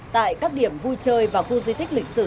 tại các điểm vui chơi và khu di tích lịch sử